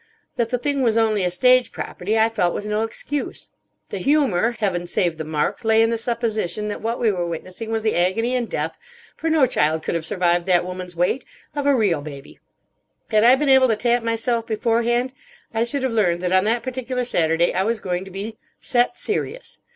That the thing was only a stage property I felt was no excuse. The humour—heaven save the mark—lay in the supposition that what we were witnessing was the agony and death—for no child could have survived that woman's weight—of a real baby. Had I been able to tap myself beforehand I should have learned that on that particular Saturday I was going to be "set serious."